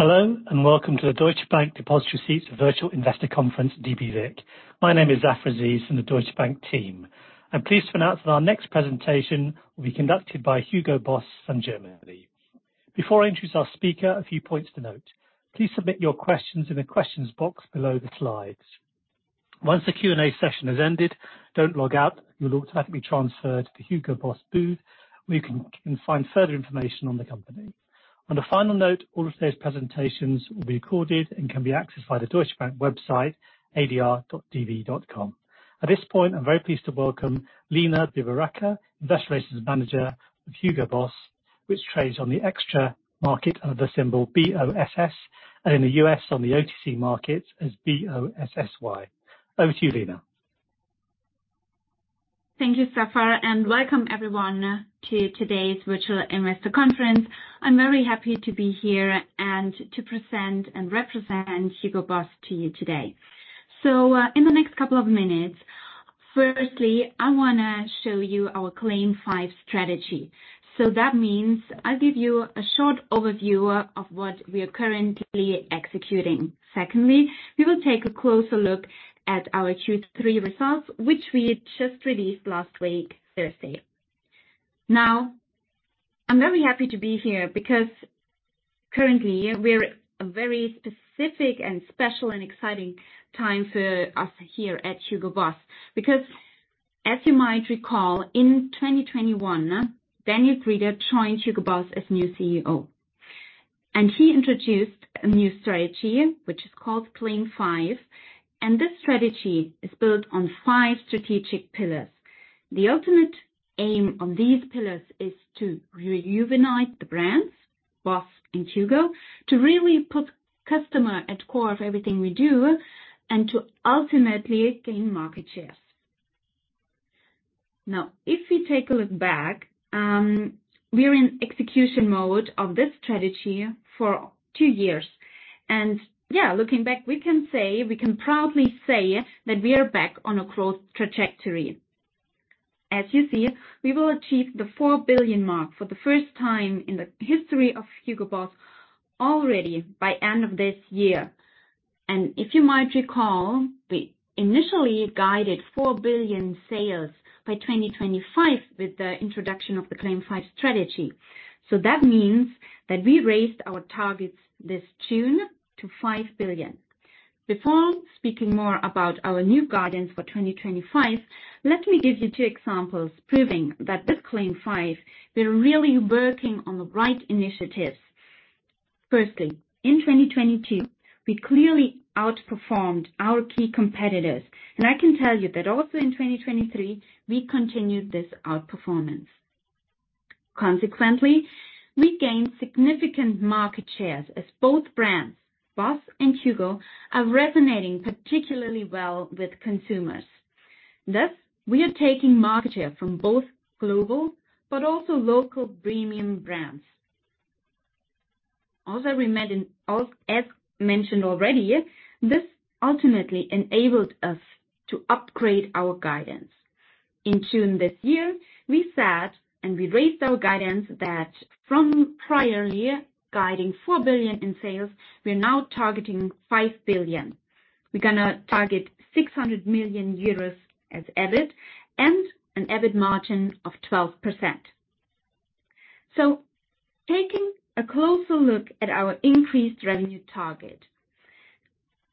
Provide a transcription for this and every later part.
Hello, and welcome to the Deutsche Bank Depositary Receipts Virtual Investor Conference, dbVIC. My name is Zafar Aziz from the Deutsche Bank team. I'm pleased to announce that our next presentation will be conducted by HUGO BOSS from Germany. Before I introduce our speaker, a few points to note. Please submit your questions in the questions box below the slides. Once the Q&A session has ended, don't log out. You'll automatically be transferred to the HUGO BOSS booth, where you can find further information on the company. On a final note, all of today's presentations will be recorded and can be accessed via the Deutsche Bank website, adr.db.com. At this point, I'm very pleased to welcome Lena Biberacher, Investor Relations Manager of HUGO BOSS, which trades on the Xetra market under the symbol BOSS, and in the US on the OTC markets as BOSSY. Over to you, Lena. Thank you, Zafar, and welcome everyone to today's virtual investor conference. I'm very happy to be here and to present and represent HUGO BOSS to you today. So, in the next couple of minutes, firstly, I wanna show you our CLAIM 5 strategy. So that means I'll give you a short overview of what we are currently executing. Secondly, we will take a closer look at our Q3 results, which we just released last week, Thursday. Now, I'm very happy to be here because currently we're a very specific and special and exciting time for us here at HUGO BOSS. Because, as you might recall, in 2021, Daniel Grieder joined HUGO BOSS as new CEO, and he introduced a new strategy, which is called CLAIM 5, and this strategy is built on five strategic pillars. The ultimate aim of these pillars is to rejuvenate the brands, BOSS and HUGO, to really put customer at core of everything we do, and to ultimately gain market shares. Now, if we take a look back, we're in execution mode of this strategy for two years. Yeah, looking back, we can say, we can proudly say that we are back on a growth trajectory. As you see, we will achieve the 4 billion mark for the first time in the history of HUGO BOSS already by end of this year. If you might recall, we initially guided 4 billion sales by 2025 with the introduction of the CLAIM 5 strategy. That means that we raised our targets this June to 5 billion. Before speaking more about our new guidance for 2025, let me give you two examples proving that this CLAIM 5, we're really working on the right initiatives. Firstly, in 2022, we clearly outperformed our key competitors, and I can tell you that also in 2023, we continued this outperformance. Consequently, we gained significant market shares as both brands, BOSS and HUGO, are resonating particularly well with consumers. Thus, we are taking market share from both global but also local premium brands. Also, as mentioned already, this ultimately enabled us to upgrade our guidance. In June this year, we said, and we raised our guidance that from prior year, guiding 4 billion in sales, we are now targeting 5 billion. We're gonna target 600 million euros as EBIT and an EBIT margin of 12%. So taking a closer look at our increased revenue target.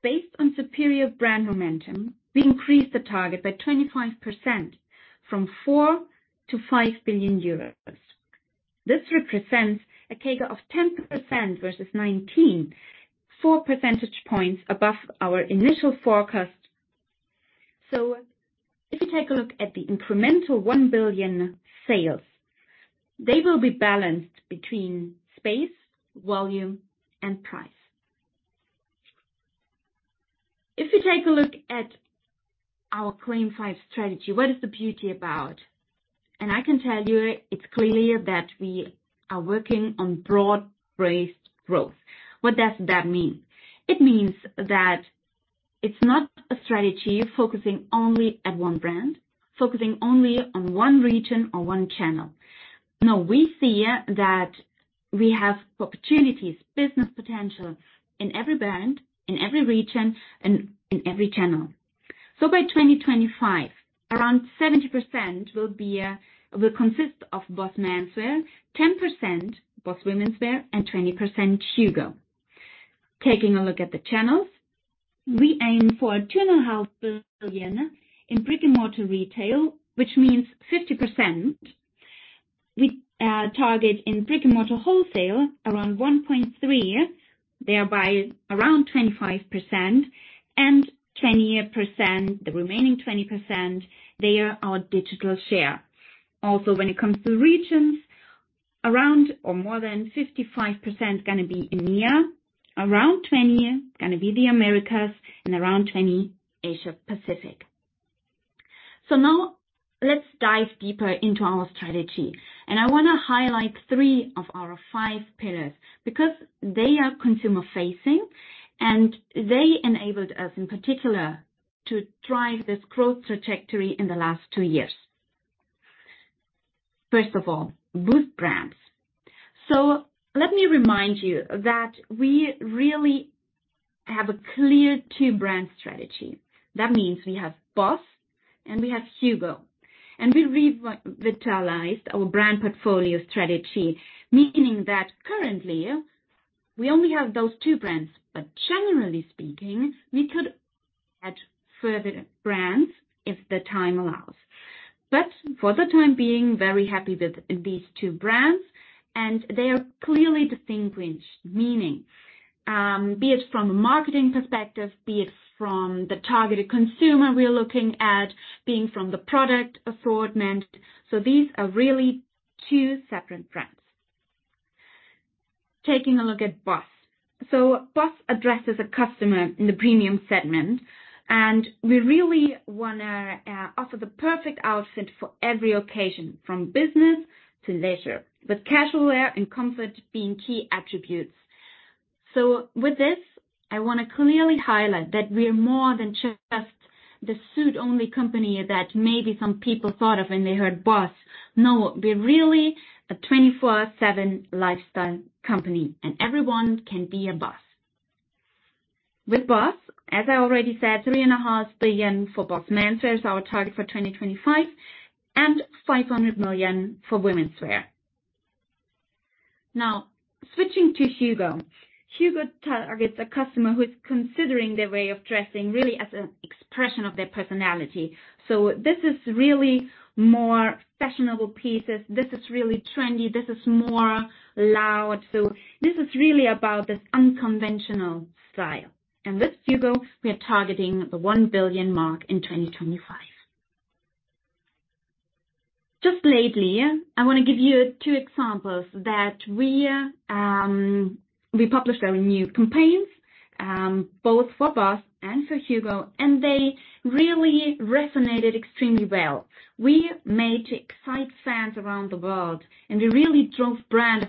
Based on superior brand momentum, we increased the target by 25%, from 4 billion-5 billion euros. This represents a CAGR of 10% versus 2019, four percentage points above our initial forecast. So if you take a look at the incremental 1 billion sales, they will be balanced between space, volume, and price. If you take a look at our CLAIM 5 strategy, what is the beauty about? And I can tell you, it's clearly that we are working on broad-based growth. What does that mean? It means that it's not a strategy focusing only at one brand, focusing only on one region or one channel. No, we see that we have opportunities, business potential in every brand, in every region, and in every channel. So by 2025, around 70% will be, will consist of BOSS menswear, 10% BOSS womenswear, and 20% HUGO. Taking a look at the channels, we aim for 2.5 billion in brick-and-mortar retail, which means 50%. We target in brick-and-mortar wholesale, around 1.3 billion, thereby around 25% and 20%, the remaining 20%, they are our digital share. Also, when it comes to regions, around or more than 55% gonna be EMEA, around 20 gonna be the Americas, and around 20 Asia Pacific. So now let's dive deeper into our strategy, and I want to highlight 3 of our 5 pillars because they are consumer-facing, and they enabled us, in particular, to drive this growth trajectory in the last 2 years. First of all, both brands. Let me remind you that we really have a clear two-brand strategy. That means we have BOSS and we have HUGO. We revitalized our brand portfolio strategy, meaning that currently, we only have those two brands, but generally speaking, we could add further brands if the time allows. But for the time being, very happy with these two brands, and they are clearly distinguished, meaning, be it from a marketing perspective, be it from the targeted consumer we are looking at, being from the product assortment. These are really two separate brands. Taking a look at BOSS. BOSS addresses a customer in the premium segment, and we really wanna offer the perfect outfit for every occasion, from business to leisure, with casual wear and comfort being key attributes. So with this, I want to clearly highlight that we are more than just the suit-only company that maybe some people thought of when they heard BOSS. No, we're really a 24/7 lifestyle company, and everyone can be a BOSS. With BOSS, as I already said, 3.5 billion for BOSS menswear is our target for 2025, and 500 million for womenswear. Now, switching to HUGO. HUGO targets a customer who is considering their way of dressing really as an expression of their personality. So this is really more fashionable pieces. This is really trendy. This is more loud. So this is really about this unconventional style. And with HUGO, we are targeting the 1 billion mark in 2025. Just lately, I want to give you two examples that we published our new campaigns both for BOSS and for HUGO, and they really resonated extremely well. We excited fans around the world, and we really drove brand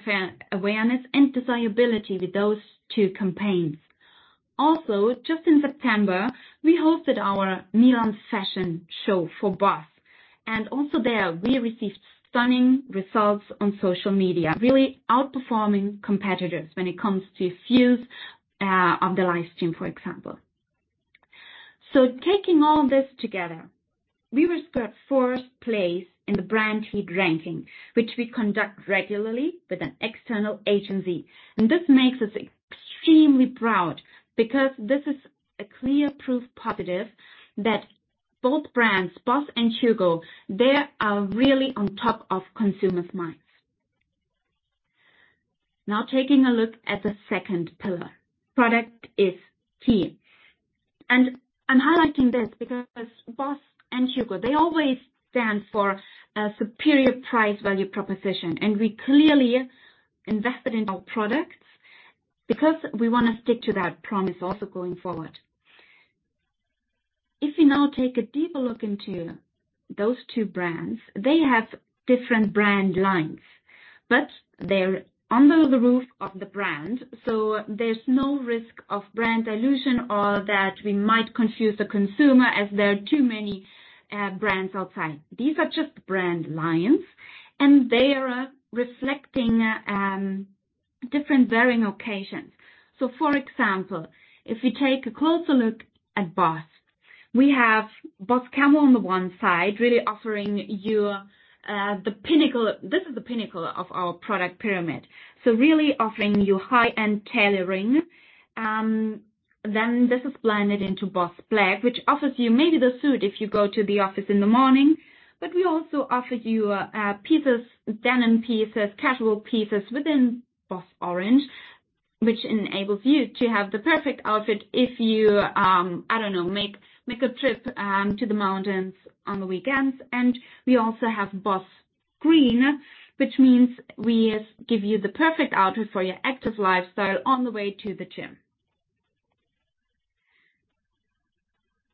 awareness and desirability with those two campaigns. Also, just in September, we hosted our Milan fashion show for BOSS, and also there, we received stunning results on social media, really outperforming competitors when it comes to views on the live stream, for example. So taking all this together, we scored fourth place in the brand heat ranking, which we conduct regularly with an external agency. And this makes us extremely proud because this is a clear proof positive that both brands, BOSS and HUGO, they are really on top of consumers' minds. Now taking a look at the second pillar. Product is key. I'm highlighting this because BOSS and HUGO, they always stand for a superior price-value proposition, and we clearly invested in our products because we want to stick to that promise also going forward. If you now take a deeper look into those two brands, they have different brand lines, but they're under the roof of the brand, so there's no risk of brand dilution or that we might confuse the consumer as there are too many brands outside. These are just brand lines, and they are reflecting different varying occasions. For example, if you take a closer look at BOSS, we have BOSS Camel on the one side, really offering you the pinnacle. This is the pinnacle of our product pyramid. Really offering you high-end tailoring. Then this is blended into BOSS Black, which offers you maybe the suit if you go to the office in the morning. But we also offer you pieces, denim pieces, casual pieces within BOSS Orange, which enables you to have the perfect outfit if you I don't know, make a trip to the mountains on the weekends. And we also have BOSS Green, which means we give you the perfect outfit for your active lifestyle on the way to the gym.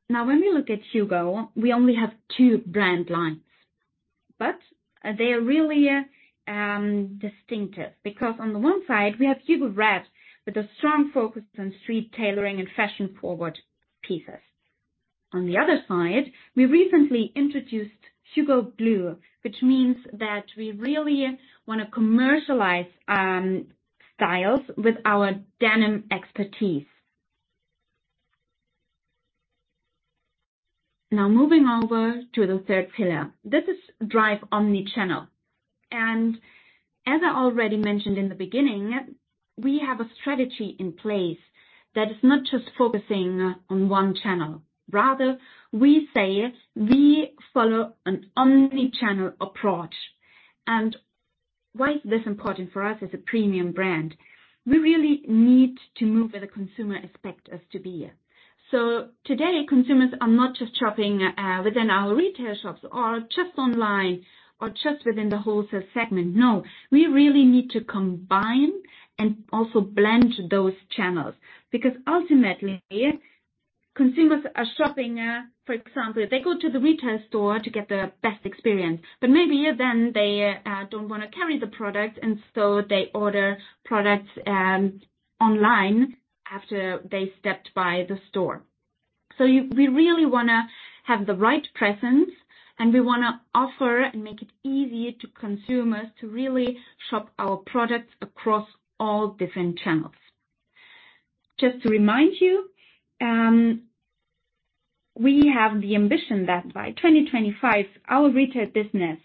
Now, when we look at HUGO, we only have two brand lines, but they are really distinctive, because on the one side, we have HUGO Red, with a strong focus on street tailoring and fashion-forward pieces. On the other side, we recently introduced HUGO Blue, which means that we really want to commercialize styles with our denim expertise. Now, moving over to the third pillar. This is Drive Omnichannel. As I already mentioned in the beginning, we have a strategy in place that is not just focusing on one channel. Rather, we say we follow an omnichannel approach. Why is this important for us as a premium brand? We really need to move where the consumer expect us to be. So today, consumers are not just shopping within our retail shops or just online or just within the wholesale segment. No, we really need to combine and also blend those channels because ultimately, consumers are shopping, for example, they go to the retail store to get the best experience, but maybe then they don't want to carry the product, and so they order products online after they stepped by the store... So, we really wanna have the right presence, and we wanna offer and make it easier to consumers to really shop our products across all different channels. Just to remind you, we have the ambition that by 2025, our retail business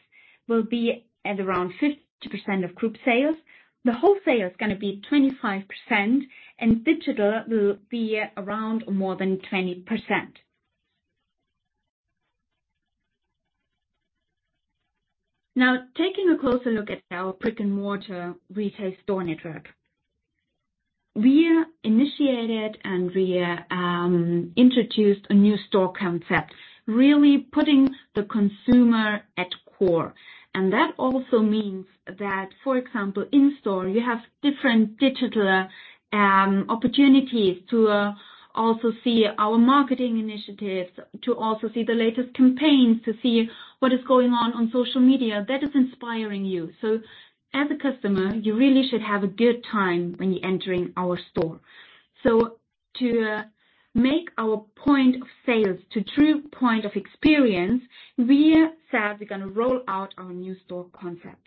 will be at around 50% of group sales. The wholesale is gonna be 25%, and digital will be around more than 20%. Now, taking a closer look at our brick-and-mortar retail store network. We initiated and introduced a new store concept, really putting the consumer at core. And that also means that, for example, in-store, you have different digital opportunities to also see our marketing initiatives, to also see the latest campaigns, to see what is going on on social media that is inspiring you. So as a customer, you really should have a good time when you're entering our store. So to make our point of sales to true point of experience, we said we're gonna roll out our new store concept.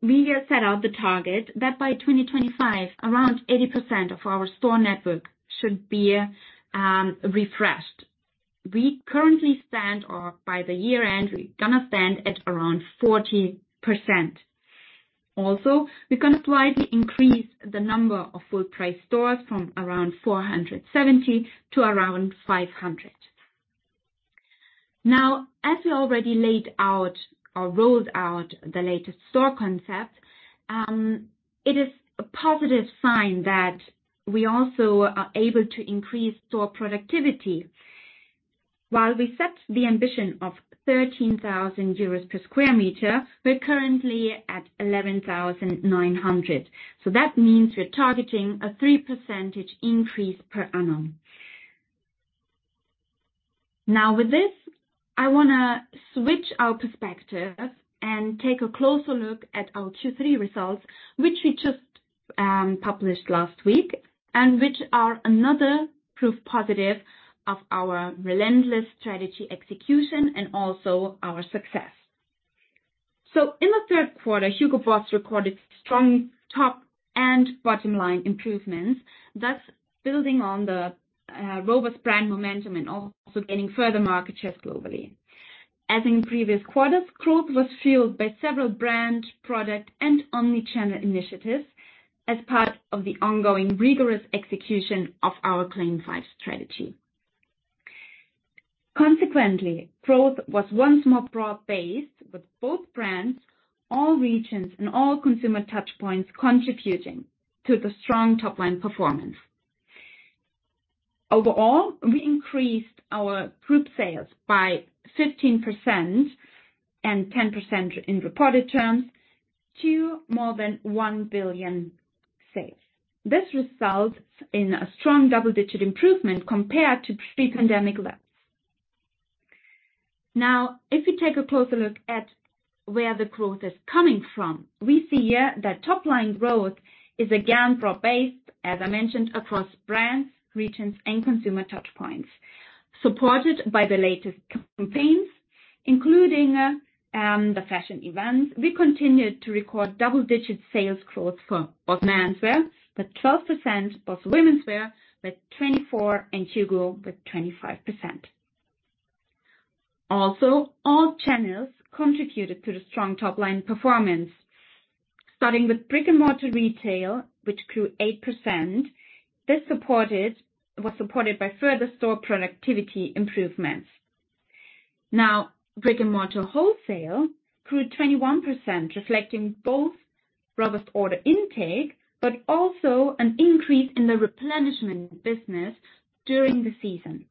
We have set out the target that by 2025, around 80% of our store network should be refreshed. We currently stand, or by the year end, we're gonna stand at around 40%. Also, we're gonna slightly increase the number of full-price stores from around 470 to around 500. Now, as we already laid out or rolled out the latest store concept, it is a positive sign that we also are able to increase store productivity. While we set the ambition of 13,000 euros per sq m, we're currently at 11,900. So that means we're targeting a 3% increase per annum. Now, with this, I wanna switch our perspective and take a closer look at our Q3 results, which we just published last week, and which are another proof positive of our relentless strategy, execution, and also our success. So in the third quarter, HUGO BOSS recorded strong top- and bottom-line improvements, thus building on the robust brand momentum and also gaining further market share globally. As in previous quarters, growth was fueled by several brand, product, and omnichannel initiatives as part of the ongoing rigorous execution of our CLAIM 5 strategy. Consequently, growth was once more broad-based, with both brands, all regions, and all consumer touchpoints contributing to the strong top-line performance. Overall, we increased our group sales by 15% and 10% in reported terms to more than 1 billion in sales. This results in a strong double-digit improvement compared to pre-pandemic levels. Now, if you take a closer look at where the growth is coming from, we see here that top-line growth is again broad-based, as I mentioned, across brands, regions, and consumer touchpoints. Supported by the latest campaigns, including the fashion events, we continued to record double-digit sales growth for both menswear, with 12%, both womenswear with 24, and HUGO with 25%. Also, all channels contributed to the strong top-line performance. Starting with brick-and-mortar retail, which grew 8%. This was supported by further store productivity improvements. Now, brick-and-mortar wholesale grew 21%, reflecting both robust order intake, but also an increase in the replenishment business during the season.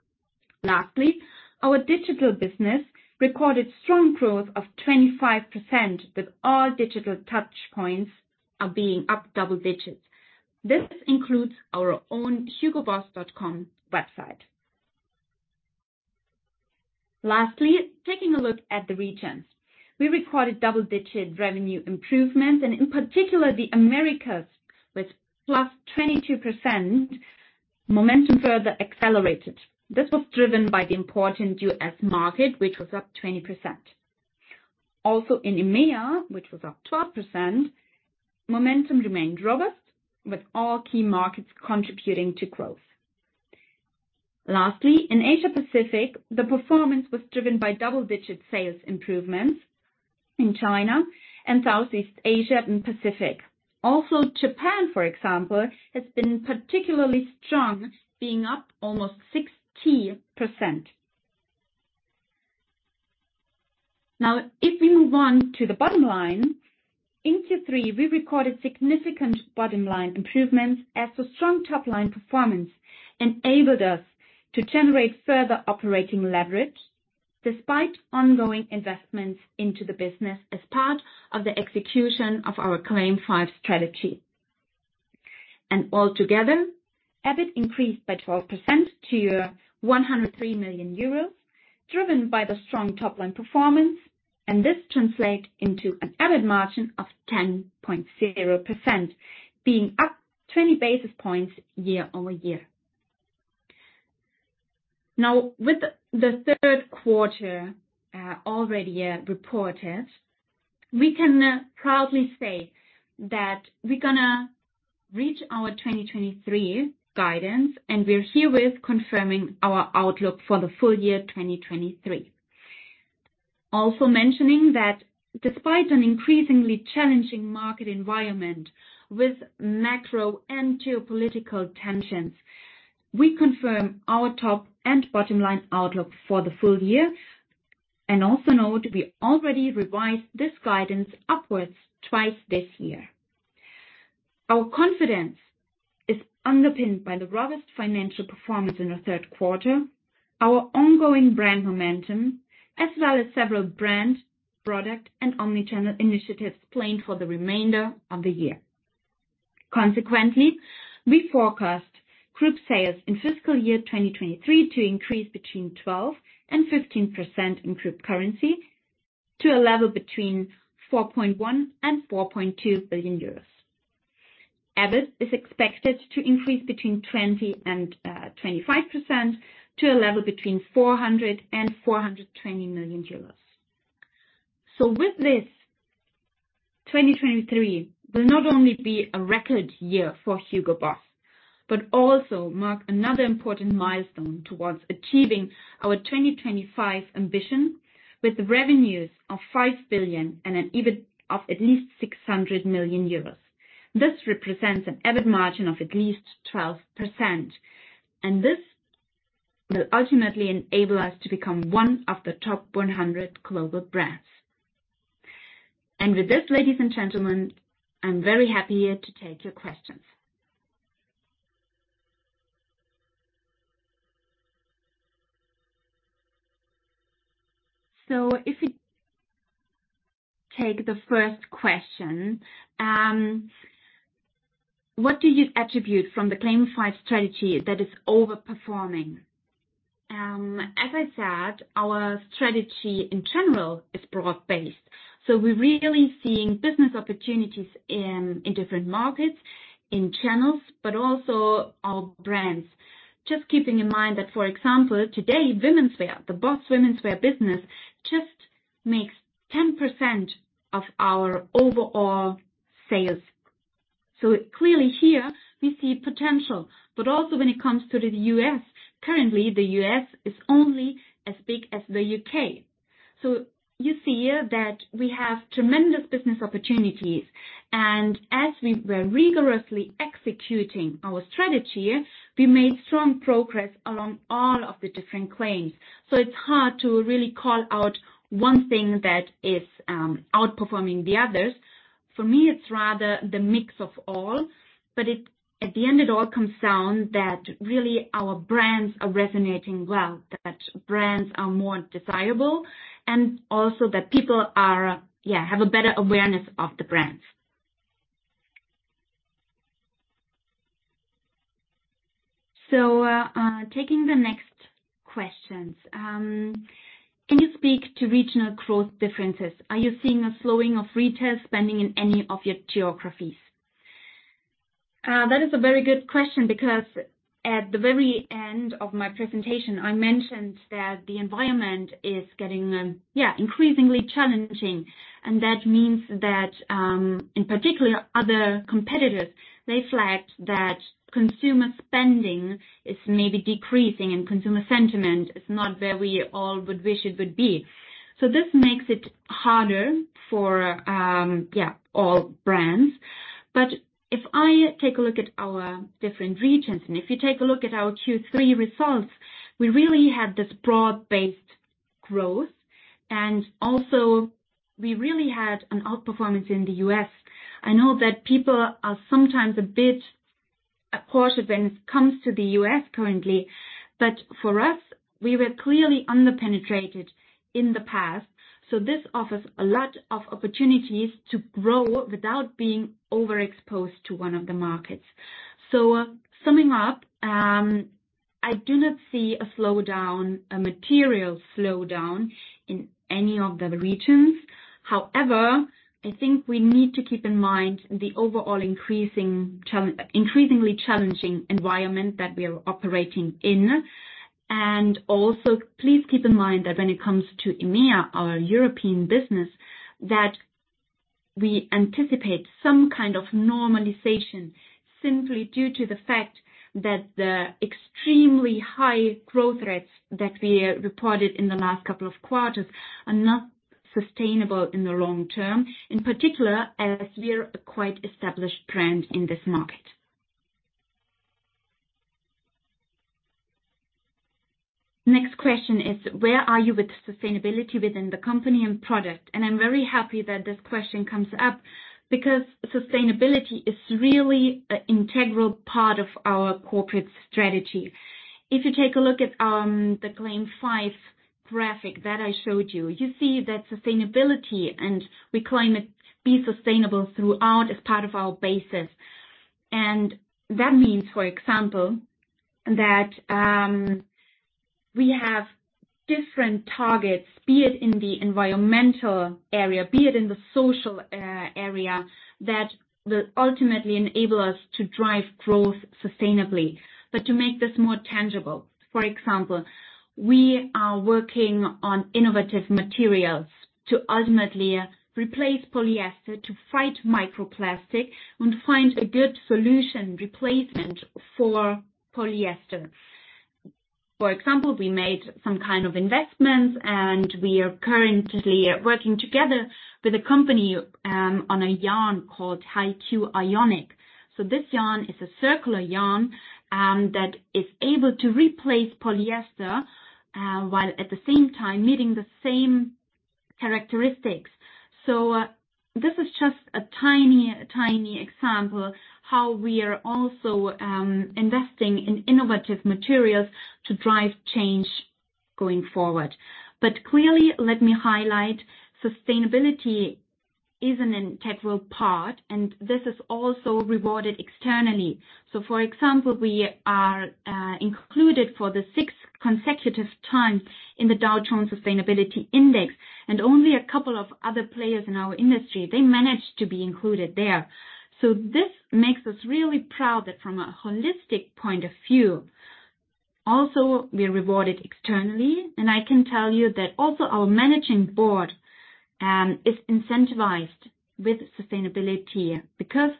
Lastly, our digital business recorded strong growth of 25%, with all digital touchpoints being up double digits. This includes our own hugoboss.com website. Lastly, taking a look at the regions. We recorded double-digit revenue improvements, and in particular, the Americas, with +22%, momentum further accelerated. This was driven by the important US market, which was up 20%. Also in EMEA, which was up 12%, momentum remained robust, with all key markets contributing to growth. Lastly, in Asia Pacific, the performance was driven by double-digit sales improvements in China and Southeast Asia and Pacific. Also, Japan, for example, has been particularly strong, being up almost 60%. Now, if we move on to the bottom line, in Q3, we recorded significant bottom-line improvements, as the strong top-line performance enabled us to generate further operating leverage despite ongoing investments into the business as part of the execution of our CLAIM 5 strategy. And altogether, EBIT increased by 12% to 103 million euros. driven by the strong top-line performance, and this translate into an EBIT margin of 10.0%, being up 20 basis points year-over-year. Now, with the third quarter already reported, we can proudly say that we're gonna reach our 2023 guidance, and we're herewith confirming our outlook for the full year 2023. Also mentioning that despite an increasingly challenging market environment with macro and geopolitical tensions, we confirm our top and bottom line outlook for the full year. And also note, we already revised this guidance upwards twice this year. Our confidence is underpinned by the robust financial performance in the third quarter, our ongoing brand momentum, as well as several brand, product, and omni-channel initiatives planned for the remainder of the year. Consequently, we forecast group sales in fiscal year 2023 to increase 12%-15% in group currency to a level between 4.1 billion and 4.2 billion euros. EBIT is expected to increase 20%-25% to a level between 400 million and 420 million euros. So with this, 2023 will not only be a record year for HUGO BOSS, but also mark another important milestone towards achieving our 2025 ambition, with revenues of 5 billion and an EBIT of at least 600 million euros. This represents an EBIT margin of at least 12%, and this will ultimately enable us to become one of the top 100 global brands. And with this, ladies and gentlemen, I'm very happy here to take your questions. So if we take the first question, what do you attribute from the CLAIM 5 strategy that is overperforming? As I said, our strategy in general is broad-based, so we're really seeing business opportunities in different markets, in channels, but also our brands. Just keeping in mind that, for example, today, womenswear, the BOSS womenswear business, just makes 10% of our overall sales. So clearly here we see potential, but also when it comes to the U.S. Currently, the U.S. is only as big as the U.K. So you see here that we have tremendous business opportunities, and as we were rigorously executing our strategy, we made strong progress along all of the different claims. So it's hard to really call out one thing that is outperforming the others. For me, it's rather the mix of all, but at the end, it all comes down that really our brands are resonating well, that brands are more desirable, and also that people are, have a better awareness of the brands. So, taking the next questions. Can you speak to regional growth differences? Are you seeing a slowing of retail spending in any of your geographies? That is a very good question, because at the very end of my presentation, I mentioned that the environment is getting increasingly challenging. And that means that, in particular, other competitors, they flagged that consumer spending is maybe decreasing and consumer sentiment is not where we all would wish it would be. So this makes it harder for all brands. But if I take a look at our different regions, and if you take a look at our Q3 results, we really had this broad-based growth, and also we really had an outperformance in the U.S. I know that people are sometimes a bit cautious when it comes to the U.S. currently, but for us, we were clearly underpenetrated in the past, so this offers a lot of opportunities to grow without being overexposed to one of the markets. So summing up, I do not see a slowdown, a material slowdown in any of the regions. However, I think we need to keep in mind the overall increasingly challenging environment that we are operating in. Also, please keep in mind that when it comes to EMEA, our European business, that we anticipate some kind of normalization simply due to the fact that the extremely high growth rates that we reported in the last couple of quarters are not sustainable in the long term. In particular, as we're a quite established brand in this market. Next question is: where are you with sustainability within the company and product? I'm very happy that this question comes up, because sustainability is really an integral part of our corporate strategy. If you take a look at the CLAIM 5 graphic that I showed you, you see that sustainability, and we claim it be sustainable throughout as part of our basis... That means, for example, that we have different targets, be it in the environmental area, be it in the social area, that will ultimately enable us to drive growth sustainably. But to make this more tangible, for example, we are working on innovative materials to ultimately replace polyester, to fight microplastic, and find a good solution replacement for polyester. For example, we made some kind of investments, and we are currently working together with a company on a yarn called HeiQ AeoniQ. So this yarn is a circular yarn that is able to replace polyester while at the same time, meeting the same characteristics. So this is just a tiny, tiny example how we are also investing in innovative materials to drive change going forward. But clearly, let me highlight, sustainability is an integral part, and this is also rewarded externally. So for example, we are included for the sixth consecutive time in the Dow Jones Sustainability Index, and only a couple of other players in our industry, they managed to be included there. So this makes us really proud that from a holistic point of view, also, we are rewarded externally. And I can tell you that also our managing board is incentivized with sustainability, because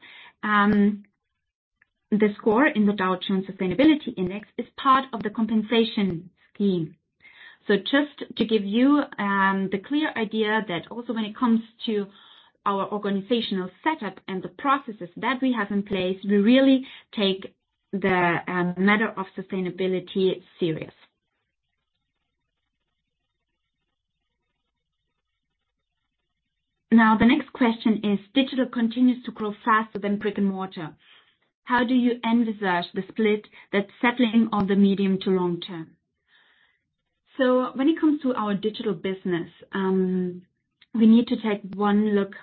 the score in the Dow Jones Sustainability Index is part of the compensation scheme. So just to give you the clear idea that also when it comes to our organizational setup and the processes that we have in place, we really take the matter of sustainability serious. Now, the next question is, "Digital continues to grow faster than brick-and-mortar. How do you envisage the split that's settling on the medium to long term?" So when it comes to our digital business, we need to take one look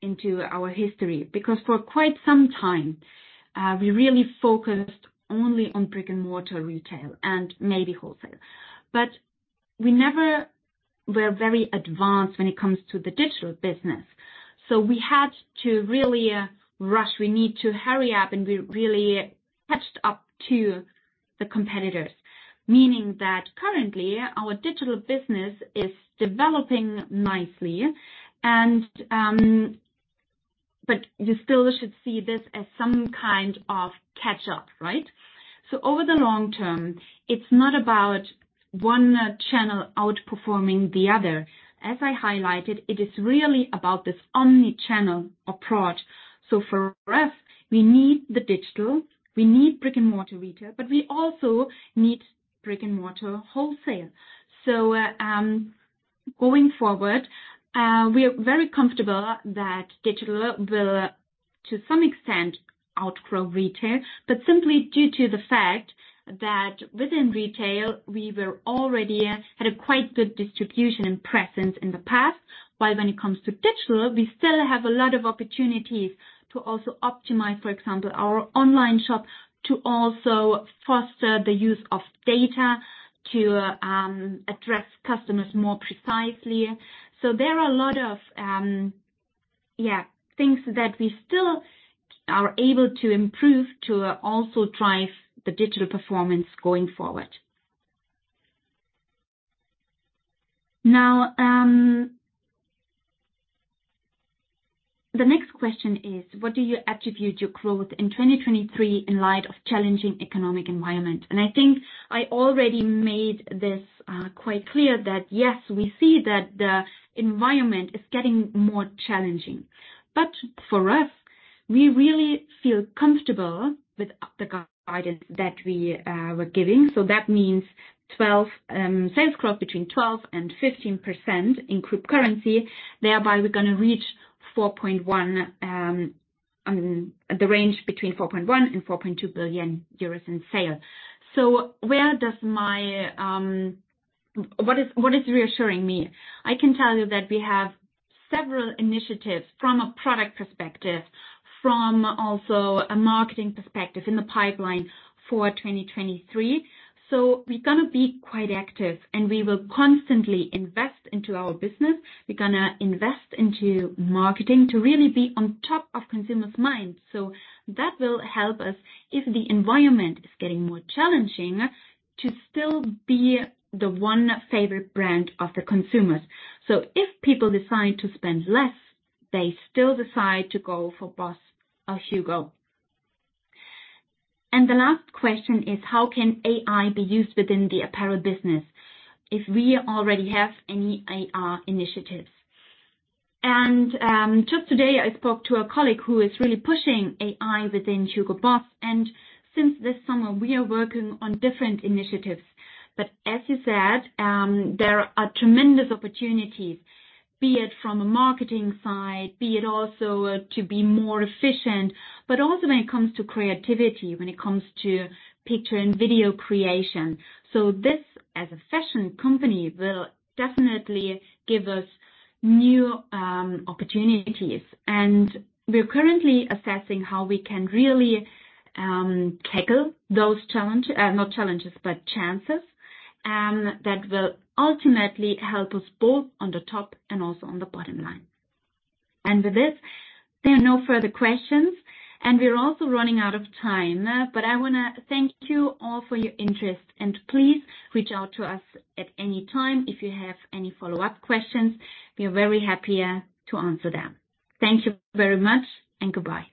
into our history, because for quite some time, we really focused only on brick-and-mortar retail and maybe wholesale. But we never were very advanced when it comes to the digital business. So we had to really rush. We need to hurry up, and we really caught up to the competitors. Meaning that currently, our digital business is developing nicely, and but you still should see this as some kind of catch-up, right? So over the long term, it's not about one channel outperforming the other. As I highlighted, it is really about this omni-channel approach. So for us, we need the digital, we need brick-and-mortar retail, but we also need brick-and-mortar wholesale. So, going forward, we are very comfortable that digital will, to some extent, outgrow retail, but simply due to the fact that within retail, we were already at a quite good distribution and presence in the past. While when it comes to digital, we still have a lot of opportunities to also optimize, for example, our online shop, to also foster the use of data, to address customers more precisely. So there are a lot of, yeah, things that we still are able to improve to also drive the digital performance going forward. Now, the next question is: "What do you attribute your growth in 2023 in light of challenging economic environment?" And I think I already made this quite clear that, yes, we see that the environment is getting more challenging, but for us, we really feel comfortable with the guidance that we were giving. So that means sales growth between 12% and 15% in group currency. Thereby, we're gonna reach the range between 4.1 billion and 4.2 billion euros in sales. So where does my... What is reassuring me? I can tell you that we have several initiatives from a product perspective, from also a marketing perspective in the pipeline for 2023. So we're gonna be quite active, and we will constantly invest into our business. We're gonna invest into marketing to really be on top of consumers' minds. So that will help us, if the environment is getting more challenging, to still be the one favorite brand of the consumers. So if people decide to spend less, they still decide to go for BOSS or HUGO. And the last question is: "How can AI be used within the apparel business, if we already have any AI initiatives?" And, just today, I spoke to a colleague who is really pushing AI within HUGO BOSS, and since this summer, we are working on different initiatives. But as you said, there are tremendous opportunities, be it from a marketing side, be it also to be more efficient, but also when it comes to creativity, when it comes to picture and video creation. So this, as a fashion company, will definitely give us new, opportunities. We are currently assessing how we can really tackle those challenge, not challenges, but chances, that will ultimately help us both on the top and also on the bottom line. With this, there are no further questions, and we are also running out of time. I want to thank you all for your interest, and please reach out to us at any time if you have any follow-up questions. We are very happy to answer them. Thank you very much, and goodbye.